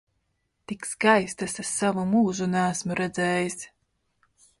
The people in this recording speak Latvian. Tik skaistas es savu mūžu neesmu redzējis!